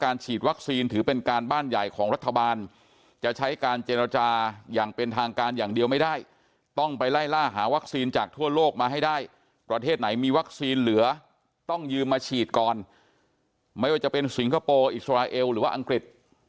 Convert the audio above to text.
การเจนอาจารย์อย่างเป็นทางการอย่างเดียวไม่ได้ต้องไปไล่ล่าหาวัคซีนจากทั่วโลกมาให้ได้ประเทศไหนมีวัคซีนเหลือต้องยืมมาฉีดก่อนไม่ว่าจะเป็นสิงคโปร์อิสราเอลหรือว่าอังกฤษ